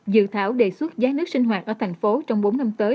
dự thảo đề xuất giá nước sinh hoạt ở thành phố trong bốn năm tới